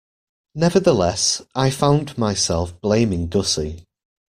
Nevertheless, I found myself blaming Gussie.